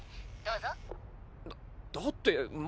どうぞ。